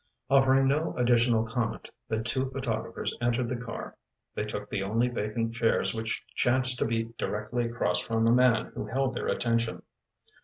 Offering no additional comment, the two photographers entered the car. They took the only vacant chairs which chanced to be directly across from the man who held their attention.